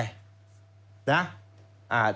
นายดำกับนายแฟร์